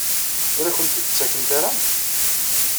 Ur akent-t-id-ttakent ara?